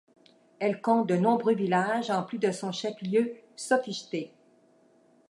Elle compte de nombreux villages en plus de son chef-lieu, Sopichté.